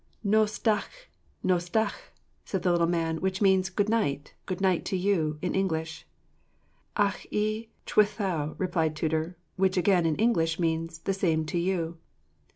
"Nos da'ch', nos da'ch'," said the little man, which means "Good night, good night to you," in English. "Ac i chwithau," replied Tudur; which again, in English, means "The same to you."